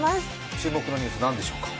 注目のニュース、何でしょうか？